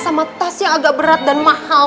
sama tas yang agak berat dan mahal